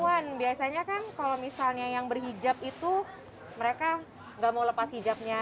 satuan biasanya kan kalau misalnya yang berhijab itu mereka gak mau lepas hijabnya